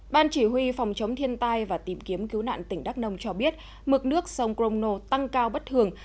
ban chỉ huy phòng chống thiên tai và tìm kiếm cứu nạn tỉnh đắk nông cho biết mực nước sông crono tăng cao bất thường